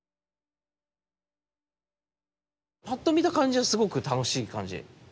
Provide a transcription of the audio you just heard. パッと見た感じはすごく楽しい感じ。